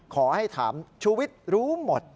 ขอให้ถามชูวิทย์รู้หมด